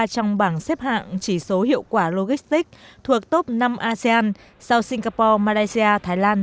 trong bảng xếp hạng chỉ số hiệu quả logistics thuộc top năm asean sau singapore malaysia thái lan